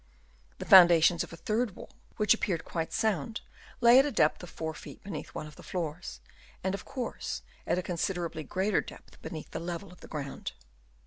The foundations of a third wall, which appeared quite sound, lay at a depth of 4 feet beneath one of the floors, and of course at a con siderably greater depth beneath the level of the ground.